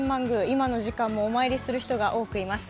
今の時間もお参りする人がたくさんいます。